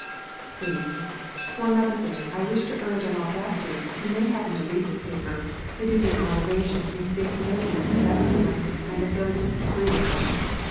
(3) For another thing, I wish to urge on all Baptists who may happen to read this paper, the duty of moderation in stating their views of baptism, and of those who disagree with them.